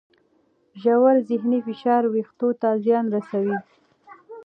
ژور ذهني فشار وېښتو ته زیان رسوي.